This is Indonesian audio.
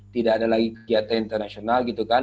tidak ada lagi kegiatan internasional gitu kan